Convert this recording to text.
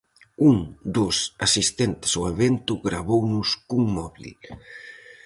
Un dos asistentes ao evento gravounos cun móbil.